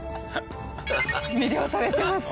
魅了されてます。